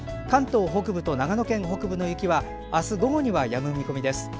関東北部と長野県北部の雪はあす午後にはやむ見込みです。